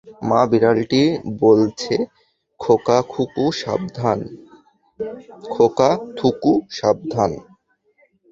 মা-বিড়ালটা বলছে, খোকাথুকু সাবধান!